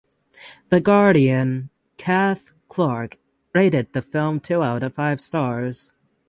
The Guardian Cath Clarke rated the film two out of five stars.